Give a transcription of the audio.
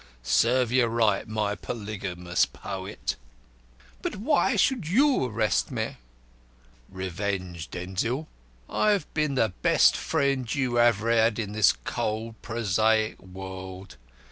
Serve you right, my polygamous poet." "But why should you arrest me?" "Revenge, Denzil. I have been the best friend you ever had in this cold, prosaic world.